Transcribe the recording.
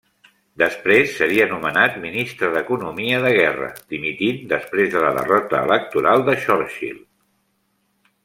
Després seria nomenat Ministre d'Economia de Guerra, dimitint després de la derrota electoral de Churchill.